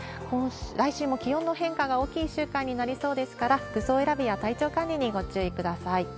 来週も気温の変化が大きい１週間になりそうですから、服装選びや体調管理にご注意ください。